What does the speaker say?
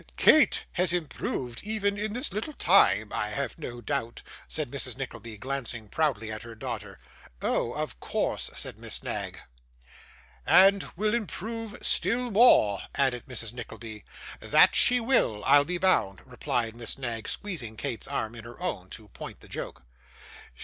'Kate has improved even in this little time, I have no doubt,' said Mrs Nickleby, glancing proudly at her daughter. 'Oh! of course,' said Miss Knag. 'And will improve still more,' added Mrs. Nickleby. 'That she will, I'll be bound,' replied Miss Knag, squeezing Kate's arm in her own, to point the joke.